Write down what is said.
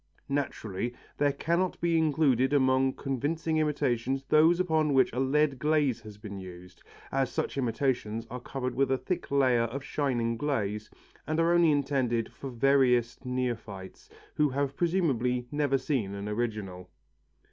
Naturally there cannot be included among convincing imitations those upon which a lead glaze has been used, as such imitations are covered with a thick layer of shining glaze and are only intended for veriest neophytes who have presumably never seen an original.